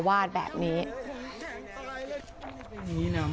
วาดแบบนี้